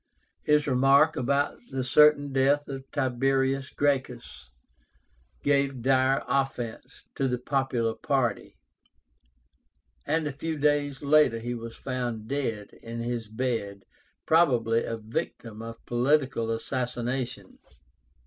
His remark about the death of Tiberius Gracchus gave dire offence to the popular party, and a few days later he was found dead in his bed, probably "a victim of political assassination."